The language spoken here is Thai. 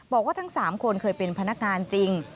บอกว่าทั้ง๓คนเคยเป็นพนักงานจริง